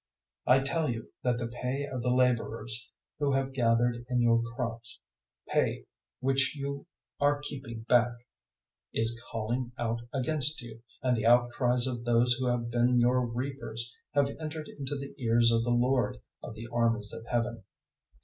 005:004 I tell you that the pay of the labourers who have gathered in your crops pay which you are keeping back is calling out against you; and the outcries of those who have been your reapers have entered into the ears of the Lord of the armies of Heaven.